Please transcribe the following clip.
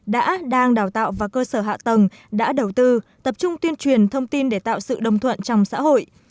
đã đang đào tạo và cơ sở hạ tầng đã đầu tư tập trung tuyên truyền thông tin để tạo sự đồng thuận trong xã hội